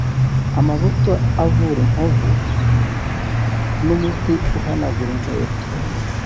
amavuta avura inkovu n’umuti uhanagura inkweto